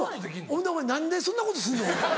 ほんでお前何でそんなことすんの？